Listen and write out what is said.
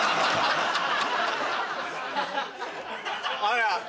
あら！